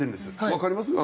わかります？